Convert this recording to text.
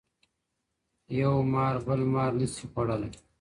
¬ يو مار، بل مار نه سي خوړلاى.